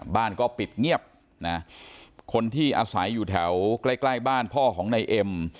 บ้านก็ปิดเงียบนะคนที่อาศัยอยู่แถวใกล้ใกล้บ้านพ่อของนายเอ็ม